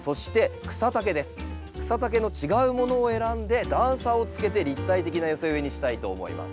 草丈の違うものを選んで段差をつけて立体的な寄せ植えにしたいと思います。